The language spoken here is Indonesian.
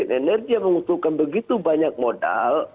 karena green energy yang mengusulkan begitu banyak modal